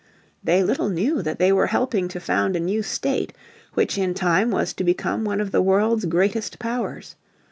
They little knew that they were helping to found a new State which in time was to become one of the world's greatest powers.